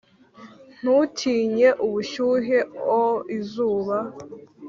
ntutinye ubushyuhe o 'izuba;